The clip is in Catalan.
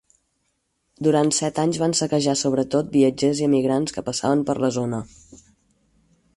Durant set anys van saquejar sobretot viatgers i emigrants que passaven per la zona.